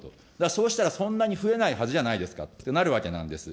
そうしたらそんなに増えないはずじゃないですかとなるわけなんです。